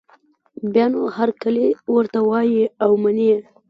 بیا نو هرکلی ورته وايي او مني یې